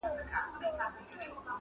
د شنبې په ورځ یوې سختي زلزلې ولړزاوه -